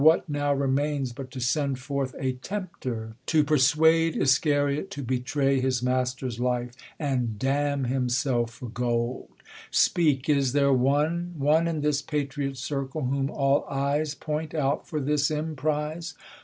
What now remains But to send forth a tempter to persuade Iscariot to betray his Master's life, And damn himself for gold ? Speak, is there one, One in this patriot circle, whom all eyes Point out for this emprise